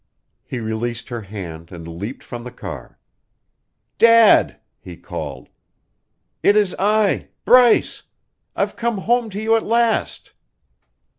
He released her hand and leaped from the car. "Dad!" he called. "It is I Bryce. I've come home to you at last."